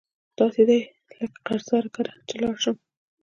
داسي دي لکه قرضدار کره چی لاړ شم